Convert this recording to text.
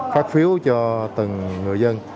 phát phiếu cho từng người dân